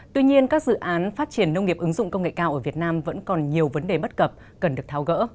tuy nhiên các dự án phát triển nông nghiệp ứng dụng công nghệ cao ở việt nam vẫn còn nhiều vấn đề bất cập cần được tháo gỡ